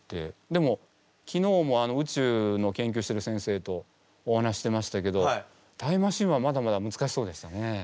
でも昨日も宇宙の研究してる先生とお話してましたけどタイムマシーンはまだまだむずかしそうでしたね。